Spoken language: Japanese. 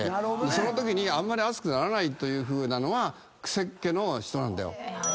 そのときにあんまり熱くならないというふうなのはくせっ毛の人なんだよ。